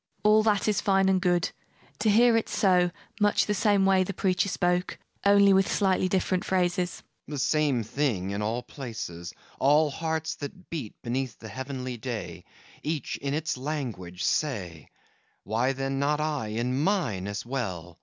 MARGARET All that is fine and good, to hear it so: Much the same way the preacher spoke, Only with slightly different phrases. FAUST The same thing, in all places, All hearts that beat beneath the heavenly day Each in its language say; Then why not I, in mine, as well?